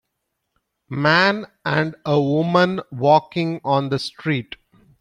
Man and a woman walking on the street